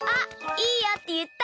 「いいよ」って言った。